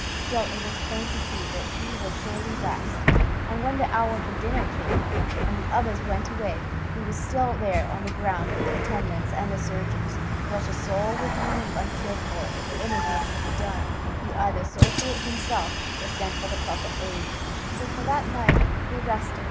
Still it was plain to see that he was sorely vexed, and when the hour for dinner came, and the others went away, he was still there on the ground with the attendants and the surgeons; not a soul would he leave uncared for if anything could be done: he either saw to it himself or sent for the proper aid. So for that night they rested.